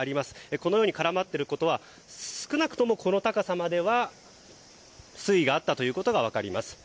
このように絡まっていることは少なくともこの高さまでは水位があったことが分かります。